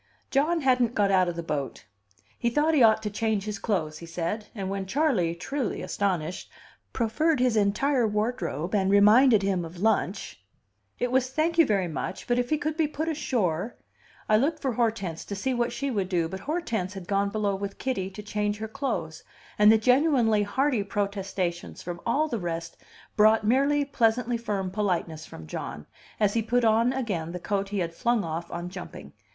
John hadn't got out of the boat; he thought he ought to change his clothes, he said; and when Charley, truly astonished, proffered his entire wardrobe and reminded him of lunch, it was thank you very much, but if he could be put ashore I looked for Hortense, to see what she would do, but Hortense, had gone below with Kitty to change her clothes, and the genuinely hearty protestations from all the rest brought merely pleasantly firm politeness from John, as he put on again the coat he had flung off on jumping.